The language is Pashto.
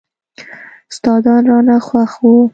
استادان رانه خوښ وو.